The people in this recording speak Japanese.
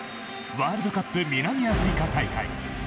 ワールドカップ南アフリカ大会。